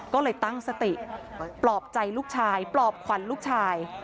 ก็เลยตั้งสติปลอบใจลูกชายปลอบขวัญลูกชาย